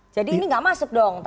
jadi ini gak masuk dong tadi